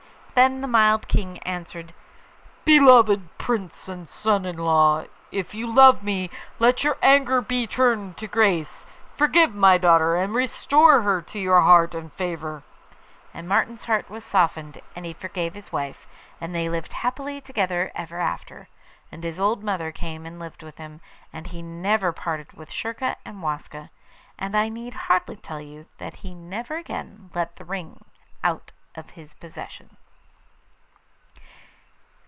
Then the mild King answered: 'Beloved Prince and son in law, if you love me, let your anger be turned to grace forgive my daughter, and restore her to your heart and favour.' And Martin's heart was softened and he forgave his wife, and they lived happily together ever after. And his old mother came and lived with him, and he never parted with Schurka and Waska; and I need hardly tell you that he never again let the ring out of his possession.